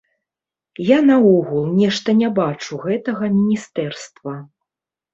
Я наогул нешта не бачу гэтага міністэрства.